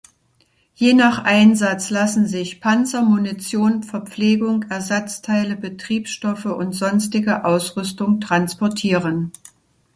Je nach Einsatz lassen sich Panzer, Munition, Verpflegung, Ersatzteile, Betriebsstoffe und sonstige Ausrüstung transportieren.